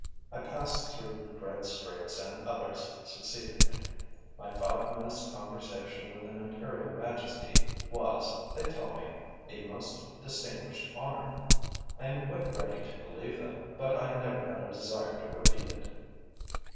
I passed through the dread straits and others succeeded me. My five minutes' conversation with an imperial majesty was, they tell me, a most distinguished honor. I am quite ready to believe them, but I never had a desire to repeat it.